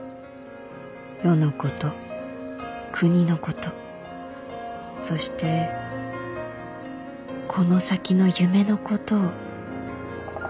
世のこと国のことそしてこの先の夢のことを」。